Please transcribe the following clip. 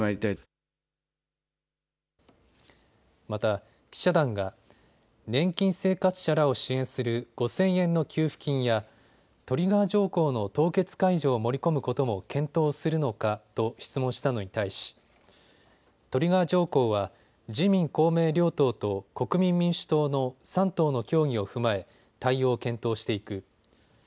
また、記者団が年金生活者らを支援する５０００円の給付金やトリガー条項の凍結解除を盛り込むことも検討するのかと質問したのに対し、トリガー条項は自民公明両党と国民民主党の３党の協議を踏まえ対応を検討していく。